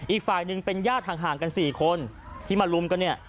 อีกฝ่ายหนึ่งเป็นญาติห่างกัน๔คนที่มาลุมกันเนี่ย